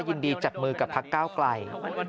ยินดีจับมือกับพักก้าวไกล